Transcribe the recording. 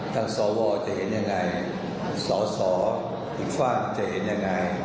สวจะเห็นยังไงสอสออีกฝากจะเห็นยังไง